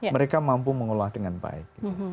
mereka mampu mengolah dengan baik